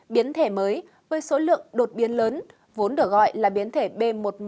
biến thể mới với số lượng đột biến lớn vốn được gọi là biến thể b một một năm trăm hai mươi chín